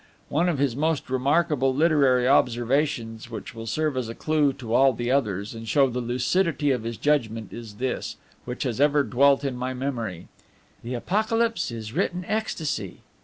One of his most remarkable literary observations, which will serve as a clue to all the others, and show the lucidity of his judgment, is this, which has ever dwelt in my memory, "The Apocalypse is written ecstasy."